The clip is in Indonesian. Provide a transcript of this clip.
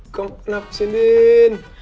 kamu kenapa sindin